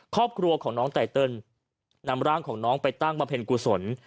ครอบครัวของน้องไตเติลนำร่างของน้องไปตั้งบำเพ็ญกุศล